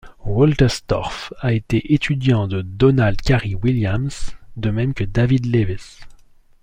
Wolterstorff a été étudiant de Donald Cary Williams, de même que David Lewis.